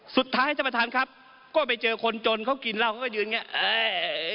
สุดท้ายท่านประธานครับก็ไปเจอคนจนเขากินเหล้าเขาก็ยืนอย่างเงี้เออ